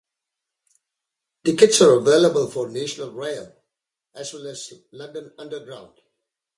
Tickets are available for National Rail, as well as London Underground.